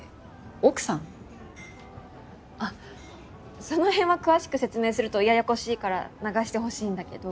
あその辺は詳しく説明するとややこしいから流してほしいんだけど。